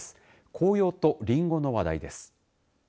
紅葉とりんごの話題です。